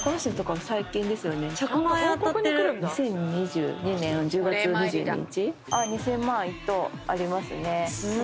「２０２２年１０月２２日」２，０００万１等ありますね。